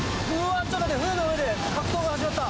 船の上で格闘が始まった。